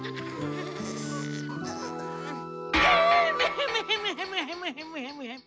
ヘムヘムヘムヘムヘムヘムヘム。